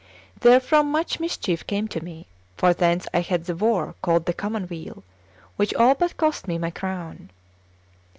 Therefrom much mischief came to me, for thence I had the war called the Common Weal, which all but cost me my crown."